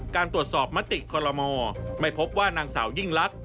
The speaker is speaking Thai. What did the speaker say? การตรวจสอบมติคอลโลมอไม่พบว่านางสาวยิ่งลักษ